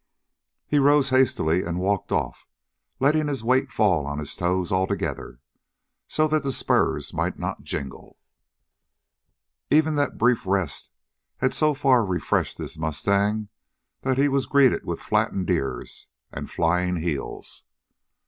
He rose hastily and walked off, letting his weight fall on his toes altogether, so that the spurs might not jingle. Even that brief rest had so far refreshed his mustang that he was greeted with flattened ears and flying heels.